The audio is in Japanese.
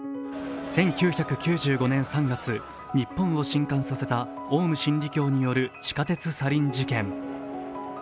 １９９５年３月、日本をしんかんさせたオウム真理教による地下鉄サリン事件。